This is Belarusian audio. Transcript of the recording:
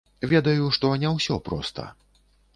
Ведаю, што не ўсё проста.